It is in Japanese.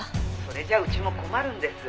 「それじゃうちも困るんです」